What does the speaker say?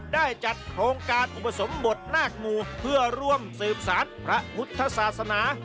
ได้จัดโครงการอุปสมบทนาคงูเพื่อร่วมสืบสารพระพุทธศาสนา